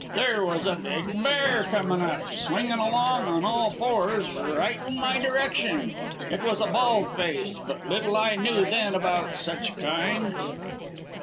There was a big bear comin' up, swingin' along on all fours, right in my direction. It was a bald face, but little I knew then about such kind.